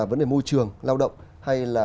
vấn đề môi trường lao động hay là